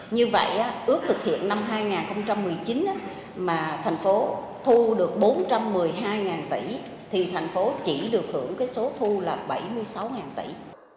như vậy ước thực hiện năm hai nghìn một mươi chín mà thành phố thu được bốn trăm một mươi hai tỷ thì thành phố chỉ được hưởng cái số thu là bảy mươi sáu tỷ